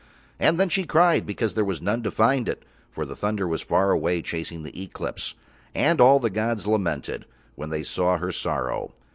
And then she cried because there was none to find it, for the thunder was far away chasing the Eclipse, and all the gods lamented when They saw her sorrow.